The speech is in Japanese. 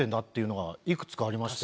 っていうのがいくつか。